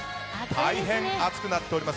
大変暑くなっております。